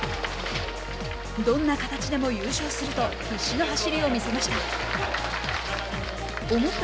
「どんな形でも優勝する」と必死の走りを見せました。